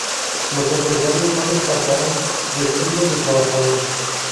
Los empresarios no descartaron despido de trabajadores.